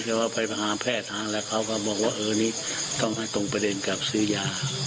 แต่ว่าไปมหาแพทย์แล้วเขาก็บอกว่าเออนี่ต้องให้ตรงประเด็นกับซื้อยา